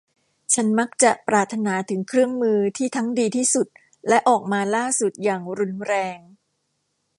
ฉันมักจะปรารถนาถึงเครื่องมือที่ทั้งดีที่สุดและออกมาล่าสุดอย่างรุนแรง